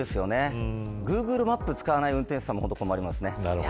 グーグルマップを使わない運転手さんも困ります。